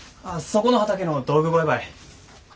ああそこの畑の道具小屋ばい。